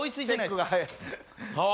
チェックが早い。